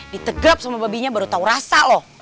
ditegap sama babinya baru tahu rasa loh